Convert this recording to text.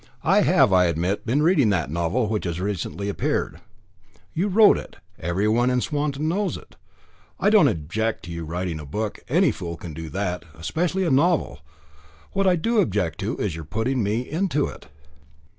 "I have, I admit, been reading that novel, which has recently appeared." "You wrote it. Everyone in Swanton knows it. I don't object to your writing a book; any fool can do that especially a novel. What I do object to is your putting me into it."